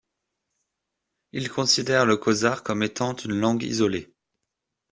Il considère le kosare comme étant une langue isolée.